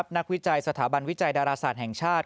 นักวิจัยสถาบันวิจัยดาราศาสตร์แห่งชาติ